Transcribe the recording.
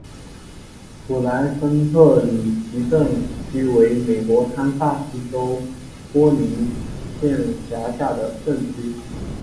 普莱森特里奇镇区为美国堪萨斯州波尼县辖下的镇区。